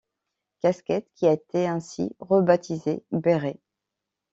Casquette qui a été ainsi rebaptisée béret.